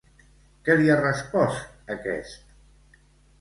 Què li ha respost aquest?